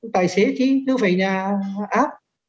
tài xế chứ chứ không phải nhà áp